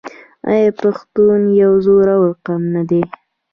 آیا پښتون یو زړور قوم نه دی؟